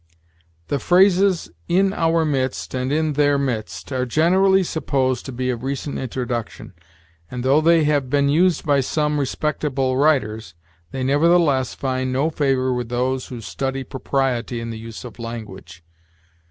The phrases in our midst and in their midst are generally supposed to be of recent introduction; and, though they have been used by some respectable writers, they nevertheless find no favor with those who study propriety in the use of language.